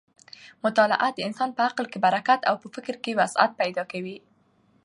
مطالعه د انسان په عقل کې برکت او په فکر کې وسعت پیدا کوي.